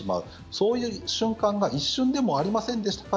そういう瞬間が一瞬でもありませんでしたか？